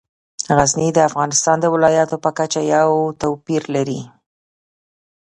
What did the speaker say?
غزني د افغانستان د ولایاتو په کچه یو توپیر لري.